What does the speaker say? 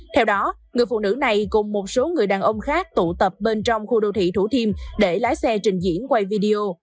theo đó người phụ nữ này cùng một số người đàn ông khác tụ tập bên trong khu đô thị thủ thiêm để lái xe trình diễn quay video